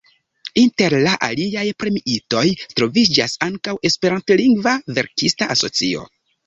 Inter la aliaj premiitoj troviĝas ankaŭ Esperantlingva Verkista Asocio.